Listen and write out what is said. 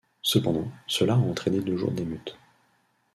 Cependant, cela a entraîné deux jours d'émeutes.